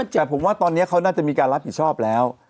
แต่ผมว่าตอนนี้เขาน่าจะมีการรับผิดชอบแล้ว